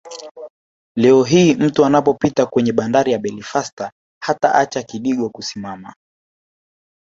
Leo hii mtu anapopita kwenye bandari ya Belfast hataacha kidigo kusimama